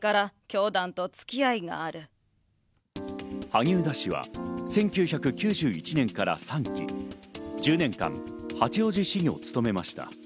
萩生田氏は１９９１年から３期、１０年間、八王子市議を務めました。